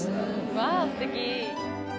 わぁすてき